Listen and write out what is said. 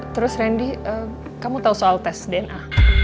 terus randy kamu tahu soal tes dna